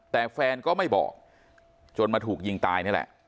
แต่แฟนก็ไม่บอกจนมาถูกยิงตายนี่แหละ